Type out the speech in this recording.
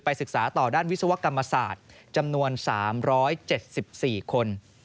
ศึกษาต่อด้านวิศวกรรมศาสตร์จำนวน๓๗๔คน